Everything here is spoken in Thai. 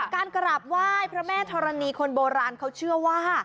การกราบไหว้พระแม่ธรณีคนโบราณเขาเชื่อว่า